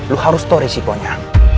lu harus tahu risikonya